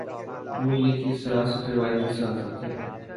ن لیگ کی سیاست روایتی سیاست ہے۔